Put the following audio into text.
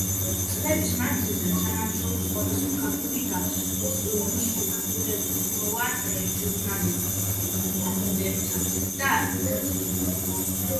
წლების მანძილზე თანამშრომლობს სხვადასხვა ქართულ და რუსულენოვან ჟურნალებთან და გაზეთებთან.